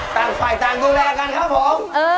ต่างฝ่ายต่างดูแลกันครับผม